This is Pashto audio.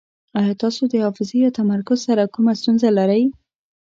ایا تاسو د حافظې یا تمرکز سره کومه ستونزه لرئ؟